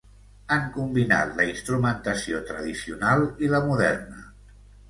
Han combinat la instrumentació tradicional i la moderna.